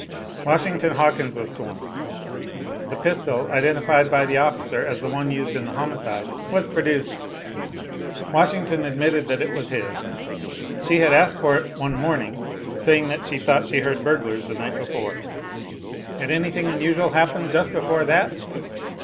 Washington Hawkins was sworn. The pistol, identified by the officer as the one used in the homicide, was produced Washington admitted that it was his. She had asked him for it one morning, saying she thought she had heard burglars the night before. Admitted that he never had heard burglars in the house. Had anything unusual happened just before that?